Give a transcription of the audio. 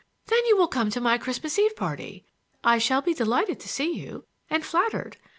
Then you will come to my Christmas Eve party. I shall be delighted to see you,—and flattered!